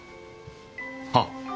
あっ！